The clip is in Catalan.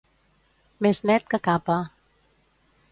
Més net que Capa.